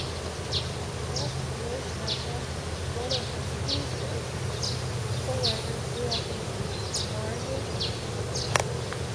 Scott Neustadter, one of the screenplay's co-writers, grew up in Margate.